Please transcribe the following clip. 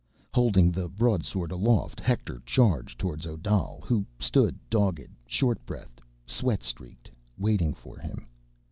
Holding the broadsword aloft, Hector charged toward Odal, who stood dogged, short breathed, sweat streaked, waiting for him.